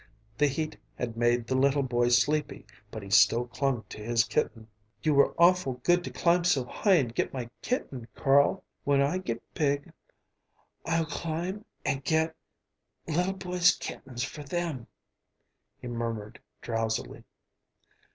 The heat had made the little boy sleepy, but he still clung to his kitten. "You were awful good to climb so high and get my kitten, Carl. When I get big I'll climb and get little boys' kittens for them," he murmured drowsily.